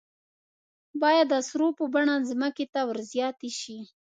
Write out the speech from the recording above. باید د سرو په بڼه ځمکې ته ور زیاتې شي.